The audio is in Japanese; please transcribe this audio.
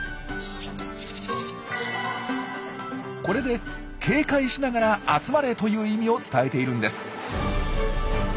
これで「警戒しながら集まれ」という意味を伝えているんです。